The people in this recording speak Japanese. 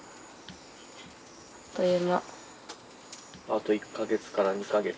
あと１か月から２か月。